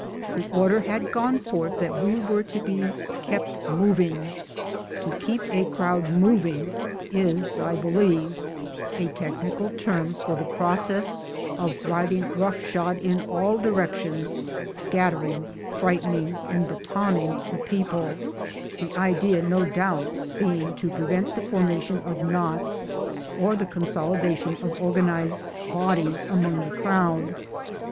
The order had gone forth that we were to be * kept moving.' To keep a crowd moving is I believe a technical term for the process of riding, roughshod in all directions, scattering, frightening and batoning the people the idea no doubt being to prevent the for mation of knots or the consolidation of organized bodies among the crowd.